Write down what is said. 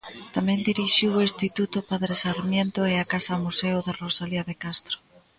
Tamén dirixiu o Instituto Padre Sarmiento e a casa Museo de Rosalía de Castro.